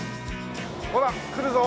ほら来るぞ。